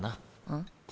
ん？